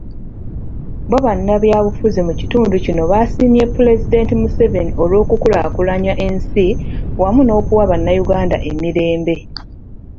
Bo bannabyabufuzi mu kitundu kino baasiimye Pulezidenti Museveni olw'okukulaakulanya ensi wamu n'okuwa bannayuganda emirembe.